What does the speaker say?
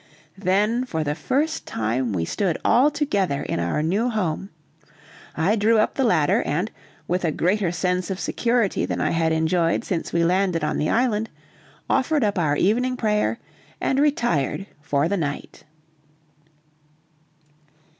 Then for the first time we stood all together in our new home. I drew up the ladder, and, with a greater sense of security than I had enjoyed since we landed on the island, offered up our evening prayer, and retired for the night.